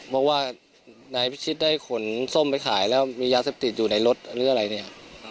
บอกว่านายพิชิตได้ขนส้มไปขายแล้วมียาเสพติดอยู่ในรถหรืออะไรเนี่ย